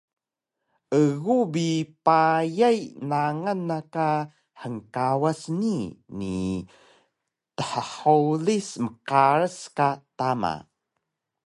Egu bi payay nangal na ka hngkawas nii ni thhulis mqaras ka tama